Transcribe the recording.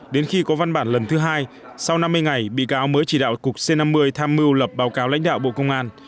đến khi có văn bản lần thứ hai sau năm mươi ngày bị cáo mới chỉ đạo cục c năm mươi tham mưu lập báo cáo lãnh đạo bộ công an